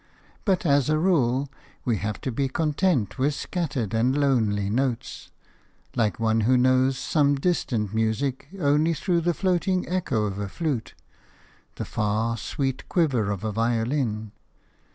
But as a rule we have to be content with scattered and lonely notes – like one who knows some distant music only through the floating echo of a flute, the far, sweet quiver of a violin.